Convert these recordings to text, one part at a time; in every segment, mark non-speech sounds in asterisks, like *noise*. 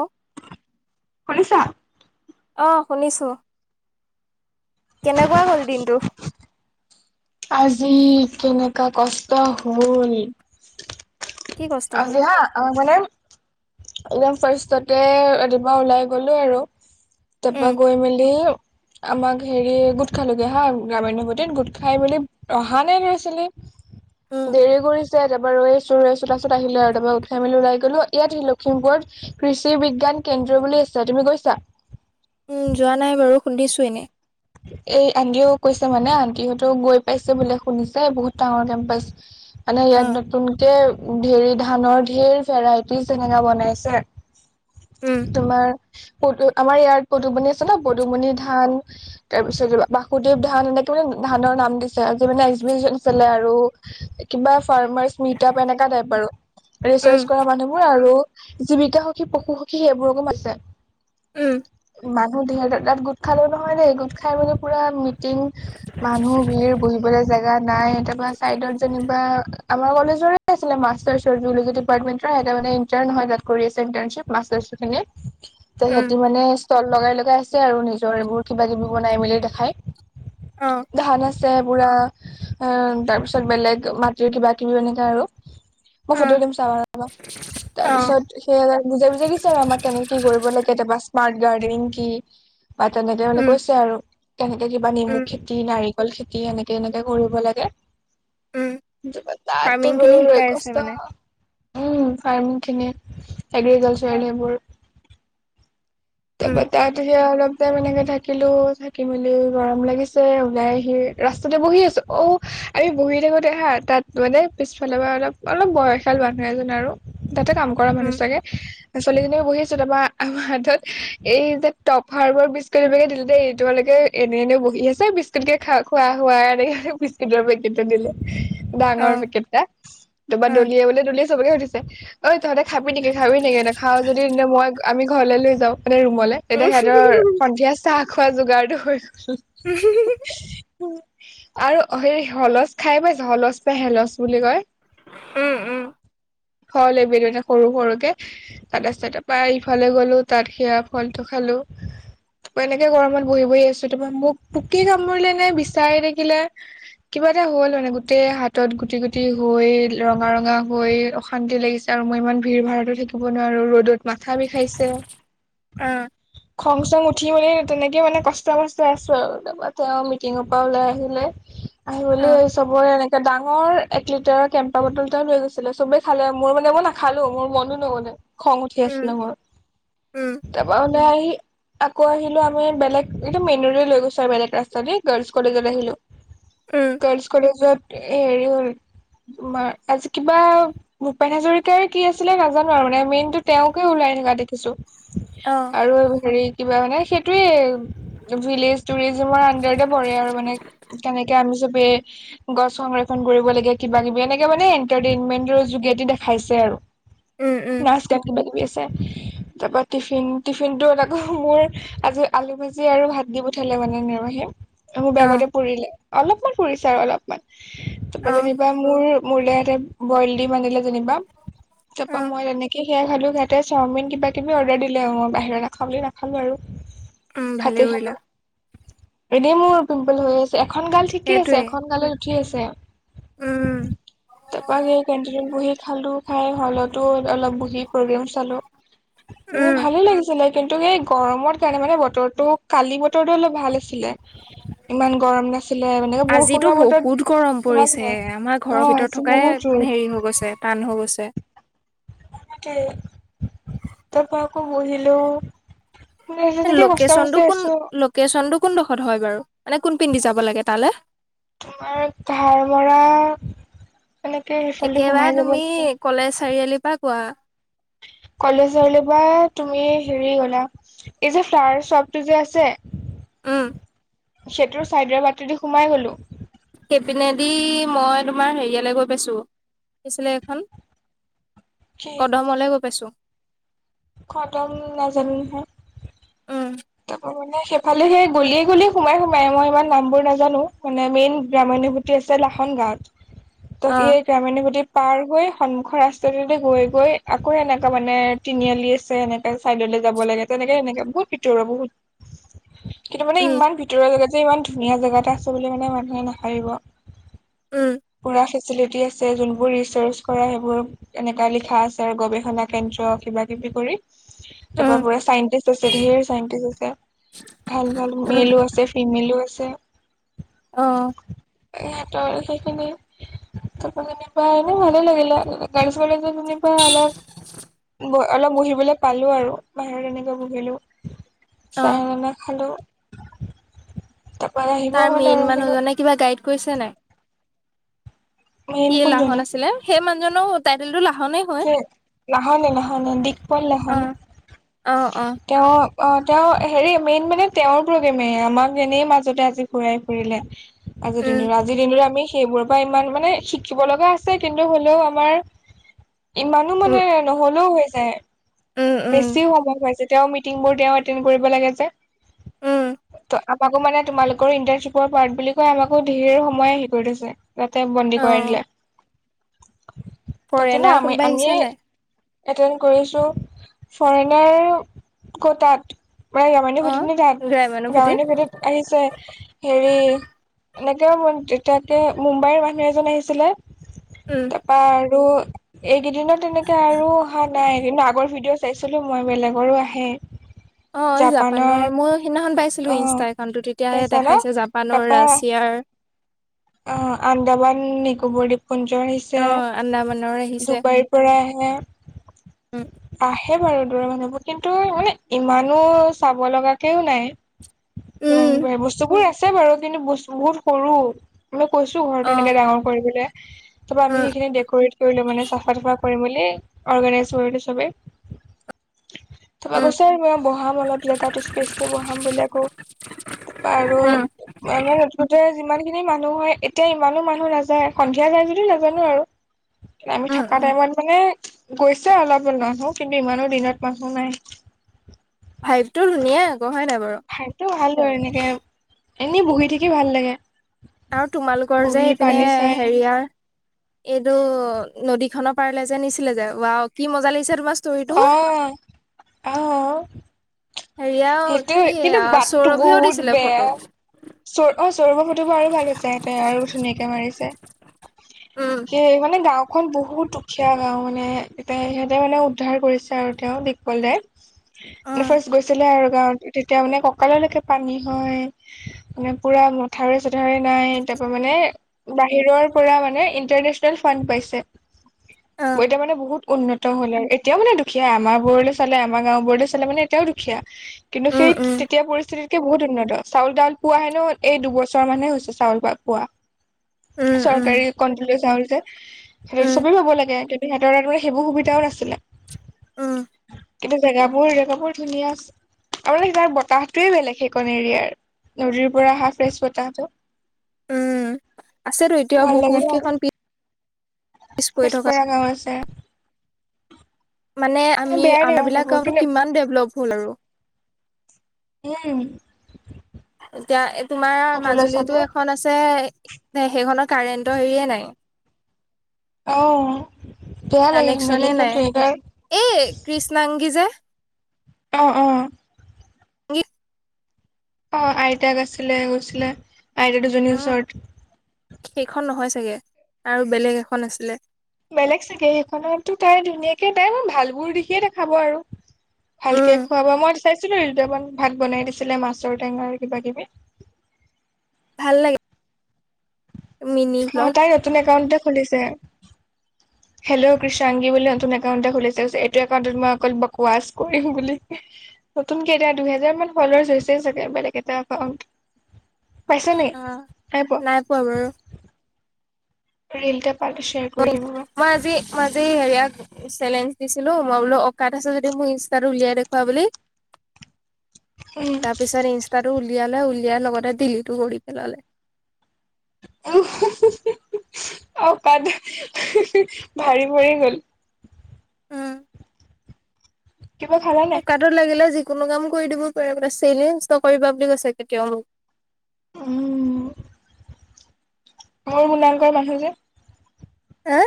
অ শুনিছা অ', শুনিছো কেনেকুৱা গ'ল দিনটো। আজি কেনেকা কষ্ট হল কি কষ্ট হ'ল আজি হা অ মানে একদম ফাৰ্ষ্টতে ৰাতিপা ওলাই গলো আৰু তাৰপা উম গৈ মেলি আমাক হেৰি গোট খালোগে হা গ্ৰামাণুভুতিত গোট খা খাই মেলি অহা নাই লআ-ছোৱালী উম দেৰি কৰিছ এয়াৰ পৰা ৰৈ আছো ৰৈ আছো তাছত আহিলে আৰু তা উঠাই মেলি লাই গ'লো ইয়াত লখিমপুৰত কৃষি বিজ্ঞান কেন্দ্ৰ বুলি আছে, তুমি গৈছা? উম যোৱা নাই বাৰু, খুন্দিছো *unintelligible* এনে এই আনটিহও কৈছে মানে আনটিহঁতো গৈ পাইছে বো শুনিছে বহুত ডাঙৰ কেম্পাচ মানে অ ইয়াত নতুনকে ধেৰি ধানৰ ধেৰ ভেৰাইটিজ তেনেকা বনাইছে উম তোমাৰ পদু আমাৰ ইয়াত পদুমণি আছে ন পদুমণি ধান তাৰ পিছত বাসুদেৱ ধান এনেকে মানে ধানৰ নাম দিছে আজি মানে এছ বি আছিলে আৰু কিবা ফাৰ্মাৰ্চ মিটআপ এনেকা টাইপ আৰু। উম ৰিচাৰ্চ কৰা মানুহবোৰ আৰু জীৱিকা সখী পশু সখী সেইবোৰকো মাতিছে উম মানুহ ধেৰ তাত গোট খালেও নহয় দেই গোট খাই মানে পুৰা মিটিং মানুহ ভিৰ বহি থবলে জেগা নাই তা পা চাইডত যেনিবা আমাৰ কলেজৰে আছিলে মাষ্টাৰ চৰ্বি নিগেটিভ পাৰ্ট উইনতাৰ এতিয়া মানে ইন্টাৰ নহয় তাত কৰি আছে ইন্টাৰ্ণশ্বিপ মাষ্টাৰশ্বিপ হয়নে ত উম সিহঁতি মানে ষ্টল লগাই লগাই আছে আৰু নিজৰ এইবোৰ কিবা কিবি বনাই মেলি দেখাই। অ ধান আছে, পুৰা তাৰপিছত বেলেগ মাটিৰ কিবা কিবি এনেকে আৰু। মই অ ফটো দিম চাবা ৰবা তাৰ অ পিছত সেয়া বুজাই বুজাই দিছে আৰু আমাক কেনেকে কৰিব লাগ কেতিয়াবা স্মাৰ্ট গাৰ্ডেন কি বা তেনেকে মানে উম কৈছ কেনেকে কিবা নেমু উম খেতি নাৰিকল খেতি এনেকে এনেকে কৰিব লাগে উম ততো ফাৰ্মিং খিনি ৰয় ৰ শিকাই আছে কষ্ট মানে উম ফাৰ্মিং খিনি। অ এগ্ৰিকালচাৰেল এইবোৰ উম তাৰপা তাত সেয়া অলপ। এনেকে থাকিলো থাকি মেলি গৰম লাগিছে ওলাই আহি ৰাস্তাতে বহি আছো, অ'। আমি বহি থাকোতে হা তাত মানে পিছফালৰ পৰা অলপ অলপ বয়সিয়াল মানুহ এজন আৰু। তাতে কাম কৰা উম মানুহ চাগে ছোৱালীজনীও বহিছো তাৰপৰা আমাৰ হাতত এই যে টপ হাৰ্বৰ বিস্কুট বিলাকে দিলে দেই এই তোমালোকে এনে এনে বহি আছে বিস্কুট কে খা খোৱা হোৱা এনেকে বিস্কুটৰ পেকেটটো দিলে। অ ডাঙৰ পেকেতটা টাপা অ দলিয়া বলে দলি চবকে সুধিছে ঐ তহঁতে খাবি নেকি- খাবি নেকি নেখাও যদি তে মই আমি ঘৰলৈ লৈ যাওঁ। মানে ৰুমলে তেতিয়া উম সিহঁতৰ সন্ধিয়া চাহ খোৱা যোগাৰটো হৈ *unintelligible* আৰু হে হলচ খাই পাইছো হলচ নে হেলচ বুলি কয়। উম-উম। হ'ল এ ভিডিঅ এটা সৰু- সৰুকে তাত আছে তাপা ইফালে গ'লো তাত ইয়াৰ ফলটো খালোঁ। এনেকে গৰমত বহি -বহি আছো তাপা মোক পোকে কামুৰিলে নে বিচায়ে দাকিলে। কিবা এটা হ'ল মানে গোটেই হাতত গুটি- গুটি হৈ ৰঙা-ৰঙা হৈ অশান্তি লাগিছে আ আৰু মই ইমান ভিৰ ভাৰতো থাকিব নোৱাৰো ৰ'দত মাথা বিখাইছে। অ'। খং চং উঠি মেলি তেনেকে মানে কষ্ট মষ্টই আছোঁ আৰু তাৰপৰা তেওঁ মিটিঙৰ পৰা ওলাই আহিলে। অ আহিবলে চবৰে এটা ডাঙৰ এক লিটাৰৰ কেম্পা বটল এটাওঁ লৈ গৈছিলে। চবেই খালে মোৰ মানে মই নাখালো, মোৰ মনও নগলে। খং উঠি উম আছিলে মোৰ উম তাৰপা উলাই আহি আকৌ আহিলো আমি বেলেগ এটো মেইন ৰোডত লৈ গৈছো আৰু বেলেগ ৰাস্তা দি গাৰ্লছ কলেজত আহিলো। উম গাৰ্লচ কলেজত এ হেৰি হ'ল তোমাৰ আজি কিবা ভূপেন হাজৰিকাৰ কি আছিলে নাজানো আৰু মানে মেইনটো তেওকে ওলাই *unintelligible* দেখিছো অ আৰু হেৰি কিবা মানে সেইটোয়ে ভিলেজ টুৰিজিমৰ আনডাৰতে পৰে আৰু মানে কেনে আমি চবে গছ সংৰক্ষণ কৰিব লাগে কিবা কিবি এনেকে মানে এটাৰটেইনমেটৰ যোগেদি দেখা খাইছে আৰু উম উম নাচ গান কিবা কিবি আছে। তাৰপা টিফিন টিফিনটোত আকৌ মোৰ আজি আলু ভাজি আৰু ভাত দি পঠালে মানে নেৰহিয়ে। মোৰ অ বেগতে পৰিলে অলপমান পৰিছে আৰু অলপমান। তাৰপা অ যেনিবা মোৰ মোৰলে ইহতে বইল দিম আনিলে যেনিবা, অ তাৰপা মই তেনেকে সেয়াই খালো সিহতে চাওমিন কিবা তুমি অৰ্ডাৰ দিলে, মই বাহিৰৰ নাখাওঁ বুলি নাখালোঁ আৰু। উম, ভালে ফাটি খালো কৰিলা। এনেই মোৰ পিম্পল হৈ আছে, এখন গাল ঠিকে আছে। সেইটোৱে এখন গালত উঠি আছে। উম তাৰপা সেই কেণ্টিনত বহি খালো। খাই হলতো অলপ বহি প্ৰগ্ৰেম চালো উম ভালে লাগিছিলে। কিন্তু এই গৰমত কাৰণে মানে বতৰটো কালি বতৰটো অলপ ভাল আছিলে। ইমান গৰম নাছিলে, মানকে আজিতো বৰষুণৰ বতৰ বহুত গৰম ভাল পৰিছে হয়, আমাৰ ঘৰৰ অ' ভিতৰত আজি থকাই বহুত ৰ'দ হেৰি হৈ গৈছে টান হৈ গৈছে। *unintelligible* তাৰপৰা আকৌ বহিলো। মানে এ তেনেকে কষ্ট লোকেচনটো মষ্টে কোন আছো লোকেশ্বনটো কোনডোখৰত হয় বাৰু মানে কোন পিনদি যাব লাগে তালে। তোমাৰ ধাৰ মৰা এনেকে সেইফালে সোমাই একেবাৰে যাব তুমি লাগে কলেজ চাৰিআলিৰ পৰা কোৱা। কলেজলৈ বা তুমি হেৰি গ'লা এই যে ফ্লাৰ শ্বপটো যে আছে। উম। সেইটোৰ চাইডৰ বাটেদি সোমাই গ'লো। সেইপিনেদি মই তোমাৰ হেৰিয়ালৈ গৈ পাইছো। কি আছিলে এখন কদমলে গৈ পাইছো। খটম নাজানো নহয়। উম তাপা মানে সেইফালে সেই গলিয়ে- গলিয়ে সোমাই- সোমাই মই ইমান নাম বোৰ নাজানো মানে মেইন গ্ৰাম ভোতি আছে লাহন গাৱত ত' অ এই গ্ৰামিনৰ গোটেই পাৰ গৈ সন্মুখৰ ৰাস্তাটোতে গৈ-গৈ আকৌ এনেকা মানে তিনিআলি আছে এনেকে চাইডলৈ যাব লা *unintelligible* বহুত ভিতৰুৱা বহুত, কিন্তু মানে উম ইমান ভিতৰুৱা জেগাত ইমান ধুনীয়া জেগা এটা আছে বুলি মানে মানুহে নাভাবিব। উম পুৰা ফেচিলিটি আছ যে যোনবোৰ ৰিচাৰ্চ কৰা সেইবোৰ এনেকা লিখা আছে আৰু গৱেষণা কেন্দ্ৰ কিবা কিবি কৰি তাৰ পা উম পুৰা চাইন্টিষ্ট আছে। ধেৰ *unintelligible* আছে। ভাল। ভাল। উম মেলও আছে। ফিমেলো আছে। অহ। সিহতৰ সেইখিনি ত প নিভ হয় ন ভাল লাগেিল গালছবল য ত নিভয় আল অলপ বহিবলৈ পালো আৰু বাহিৰত এনেকে বহিলো অ চাহ বনাই খালো। তাৰপৰা আহিবও তাৰ হ'ল মেইন আৰু আহিলো মানুহজনে কিবা গাইড গৈছেনে নাই? কি মেইন লাহন কোনজনী আছিলে সেই মানুহজনৰো টাইটেলতো লাহ স নাহানে নাহানে। দগপল নাহন অ অ অ তেওঁ অ তেওঁ হেৰি মেইন মানে তেওঁৰ প্ৰগেমে, আমাক এনেই মাজতে আজি ঘুৰাই ফুৰিলে। আজিৰ উম দিনৰে আজিৰ দিনৰে আমি সেইবোৰৰ পৰা ইমান মানে শিকিব লগা আছে কিন্তু হ'লেও আমাৰ ইমানো উম, মানে নহলেও হৈ যায় উম, উম, বেছিও সময় হৈ যায় তেওঁ মিটিংবোৰ, তেওঁ এটেণ্ড কৰিব লাগে যে। উম, ত আমাকো মানে তোমালোকৰ ইণ্টাৰশ্বিপৰ পাৰ্ট বুলি কয়, আমাকো ঢেৰ সময় হেৰি কৰি থৈছে। তাতে বন্দী কৰাই অ', দিলে। ত কিন্তু ফৰেনাৰ আমি কোন আমি এটেন্ড কৰিছো। ফৰেনাৰ ক' তাত? মানে গ্ৰামভুটিত অ', নে তাত। গ্ৰাম্যানুভূতি গ্ৰামণ্য ভুটিত আহিছে হেৰি এনেকে তেতিয়াকে মুম্বাইৰ মানুহ এজন আহিছিলে। উম, তাৰপা আৰু এইকেইদিনত তেনেকে আৰু অহা নাই। কিন্তু আগৰ ভিডিঅ' চাইছিলো মই। বেলেগৰো আহে। অহ। জাপানৰ মই সিদিনাখন পাইছিলো অ ইনষ্টা একাউন্টতো। তেতিয়াহে পাইছা ন দেখাইছে জাপানৰ তাৰপা ৰাছিয়াৰ অ আন্দামান নিকোবৰ দপ পুঞ্জ আহিছে। অ', আন্দামানৰ আহিছে ডুবাইৰ পৰা আহে। উম, আহ সেই বাৰু *unintelligible* মানুহবোৰ কিন্তু মানে ইমানো চাব লগাকেও নাই। উম, বস্তুবোৰ আছে বাৰু। কিন্তু বস বহুত সৰু। আমি কৈছোঁ ঘৰটো অ', এনেকৈ ডাঙৰ কৰিবলে। *inaudible* তাৰ আমি সেইখিনি ডকৰেট কৰিলো মানে চাফা তুফ কৰিম বুলি অৰ্গেনাইজ কৰিলো চবে *inaudible* তাহপা উম, কৈছে ম বহাম অলপ জেগাত স্পেচটো বহাম বুলি আকৌ। তা পৰা আৰু উম, মানে হেতুতে যিমান খিনি মানুহ নহয়। এতিয়া ইমানো মানুহ নাযায়। সন্ধিয়া যাই যদি নাজানো আৰু। আমি উম, থকা উম, টাইমত মানে গৈছে অলপমান মানুহ কিন্তু ইমানো দিনত মানুহ নাই ভায়েকটো ধুনীয়া। ভাইবটো ভাল আৰু এনেকে এনেই বহি থাকি ভাল লাগে। আৰু তোমালোকৰ যে বহি এইপিনে পানী চাই হেৰিয়াৰ এইটো নদী খনৰ পাৰে যে নিছিলে যে বা কি মজা লাগিছে তোমাৰ ষ্টৰিটো আহ আহ হেৰিয়া সেইটোয়ে কি কিন্তু আ, বাটটো সৌৰভেও বহুত দিছিলে বেয়া। ফটো চ অ চৰভ সৈতে হোৱাই ভাল হৈছে। ইহতে আৰু ধুনীয়াকে মাৰিছে। উম, কি মানে গাঁওখ এখন বহুত দুখীয়া গাওঁ মানে, এতে সিহঁতে মানে উদ্ধাৰ কৰিছে আৰু তেওঁ ক'লে। উম। ফাৰ্ষ্ট গৈছি ছিলে আৰু গাঁৱ তেতিয়া মানে ককাললৈকে পানী হয়। মানে পুৰা মথাউৰি- চথাউৰি ধৰে নাই তাৰ পৰা মানে বাহিৰৰ পৰা মানে ইণ্টাৰনেচনেল ফাণ্ড পাইছে। অ', মই এতিয়া মানে বহুত উন্নত হ'ল আৰু, এতিয়াও মানে দুখীয়া আমাৰ বোৰলে চালে আমাৰ গাঁওবোৰলে চালে মানে এতিয়াও দুখীয়া। কিন্তু উম, সেই, উম, তেতিয়া পৰিস্থিতি তে বহুত উন্নত, চাউল তাউল পোৱা হেনো এই দুবছৰ মানে হৈছে চাউল *unintelligible* পোৱা। উম, উম, চৰকাৰী কণ্ট্ৰলৰ চাউল যে, সেইটো উম, চবেই পাব লাগে। সিঁহতৰ আৰু সেইবোৰ সুবিধাও নাছিলে। উ এনে জেগাবোৰ-জেগাবোৰ ধুনীয়া আছ আপোনাৰ তাৰ বতাহটোৱে বেলেগ সেইকণ এৰিয়াৰ, নদীৰ পৰা আহা ফ্ৰেছ বতাহটো উম, আছেতো, এতিয়া ভাল লাগে বহুত ন কেইখন পি *unintelligible* গাঁও আছে। মানে আমি বেয়া দে আমাৰ বিলাক মানুহবোৰ গাঁওতো কিন্তু কিমান ডেভলপ হ'ল আৰু উম। এতিয়া এ তোমাৰ আউ ততলৈ মাজুলীতো চালে এখন আছে, সেইখনৰ কাৰেণ্টৰ হেৰিয়ে নাই। অ', বেয়া লাগে সোণালী কানেকচনে নাই, সেইটোৱে তাৰ এই কৃষ্ণাংগী যে অ' অ'। *unintelligible* অ', আইতাক আছিলে গৈছিলে, আইতা দুজনীৰ উম, ওচৰত। সেইখন নহয় চাগে। আৰু বেলেগ এখন আছিলে। বেলেগ চাগে এইখনতটো তাই ধুনীয়াকে তাই ভালবোৰ দিশে দেখাব আৰু। উম, ভালকে খোৱা বোৱা, মই চাইছিলো ৰিলটো এবাৰ, ভাত বনাই দিছিলে মাছৰ টেঙাৰ কিবা কিবি। ভাল লাগে। মিনি অ', ব্লগ তাই নতুন একাউনটে খুলিছে। *unintelligible* হেল্ল, কৃষাংগী বুলি নতুন একাউণ্ট এটা খুলিছে এইটো একাউণ্টত মই অকল বকৱাছ কৰিম বুলি। নতুনকে, এতিয়া দুহেজাৰ মান ফ'লৱাৰ্চ হৈছে চাগে বেলেগ এটা এটাকাউট। উম, নাই পোৱা বাৰু। *unintelligible* কৰি মই দিম ৰবা আজি মই আজি হেৰিয়া চেলেঞ্জ দিছিলো, মই বোলো অকাত আছো যদি মোৰ ইনষ্টাটো উলিয়াই দেখুৱা বুলি। তাৰপিছত ইনষ্টাটো উল উলিয়ালে উলিয়াই লগতে দিলিতো কৰিৰি পেলালে উম *unintelligible* অ', তাত, ভাৰি পৰি গল। কিবা খালা নাই *unintelligible* লাগিলে যিকোনো কাম কৰি দিব পাৰে মানে চলেঞ্জ নকৰিবা বুলি কৈছে কেতিয়াও মোক। উম। মোৰ মুলাংকৰ মানুহ যে। হে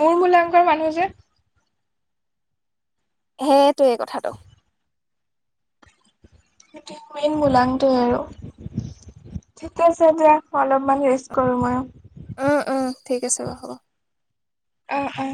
মোৰ মূলাংকৰ মানুহ যে। সেটোৱে কথাটো। সেটোৱে সেইন মূলাংকটো আৰু, ঠিক আছে দিয়া, অলপ অকমান ৰেষ্ট কৰোঁ মই। উম উম ঠিক আছে বাৰু হ'ব। আহ অ'।